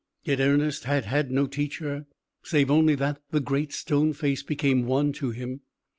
Yet Ernest had had no teacher, save only that the Great Stone Face became one to him.